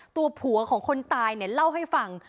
ตัวผัวของคนตายเนี่ยเล่าให้ฟัง